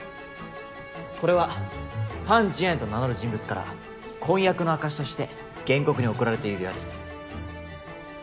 これはハン・ジエンと名乗る人物から婚約の証として原告に贈られた指輪です。